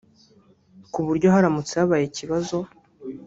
ku buryo haramutse habaye ikibazo